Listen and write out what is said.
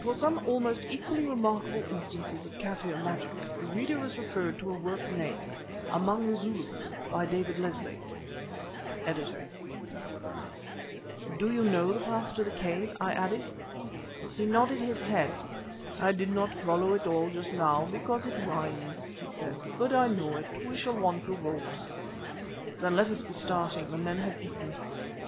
[*] For some almost equally remarkable instances of Kaffir magic the reader is referred to a work named "Among the Zulus," by David Leslie.—Editor. He nodded his head. "I did not follow it all just now, because it winds," he said. "But I know it. We shall want the ropes." "Then let us be starting; the men have eaten."